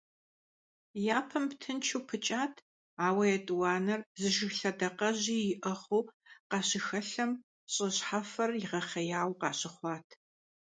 Япэм тыншу пыкӀат, ауэ етӀуанэр зы жыг дакъэжьи иӀыгъыу къащыхэлъэм, щӀы щхьэфэр игъэхъеяуэ къащыхъуат.